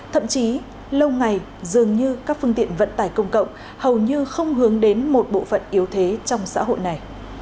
thậm chí lâu ngày dường như các phương tiện vận tải công cộng hầu như không hướng đến một bộ phận yếu thế trong xã hội này